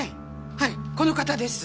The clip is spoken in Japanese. はいこの方です！